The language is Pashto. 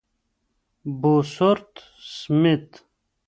بوسورت سمیت :